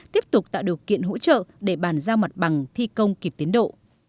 tiếp tục tạo điều kiện hỗ trợ để bàn giao mặt bằng thi công kịp tiến độ